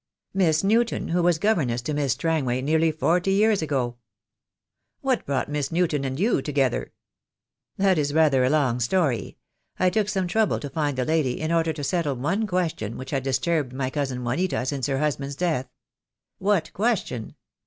"Miss Newton, who was governess to Miss Strangway nearly forty years ago." "What brought Miss Newton and you together?" "That is rather a long story. I took some trouble to find the lady in order to settle one question which had disturbed my cousin Juanita since her husband's death." "What question?"